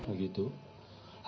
akan bekerja sendiri